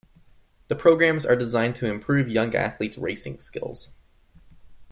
The programmes are designed to improve young athletes racing skills.